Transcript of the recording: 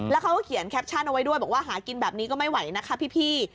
แล้วเขาก็เขียนแคปชั่นเอาไว้ด้วยบอกว่าหากินแบบนี้ก็ไม่ไหวนะคะพี่